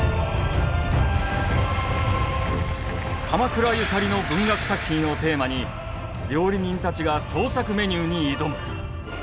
鎌倉ゆかりの文学作品をテーマに料理人たちが創作メニューに挑む。